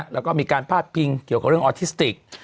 แล้วก็มีการพาดพิงเกี่ยวกับเรื่องออทิสติก